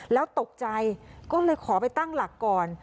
แล้วตกใจก็เลยขอไปตั้งหลักก่อน